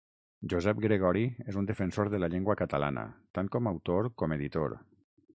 Josep Gregori és un defensor de la llengua catalana, tant com autor com editor.